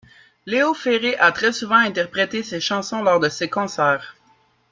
Léo Ferré a très souvent interprété ces chansons lors de ses concerts.